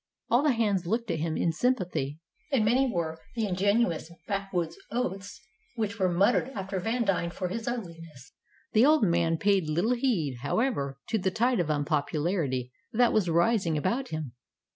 All the hands looked at him in sympathy, and many were the ingenious backwoods oaths which were muttered after Vandine for his ugliness. The old man paid little heed, however, to the tide of unpopularity that was rising about him.